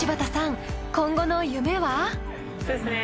そうですね